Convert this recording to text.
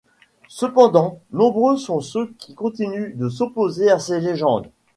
Cependant, nombreux sont ceux qui continuent de s'opposer à ces légendes.